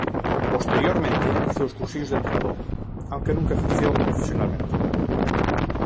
Posteriormente hizo los cursillos de entrenador, aunque nunca ejerció profesionalmente.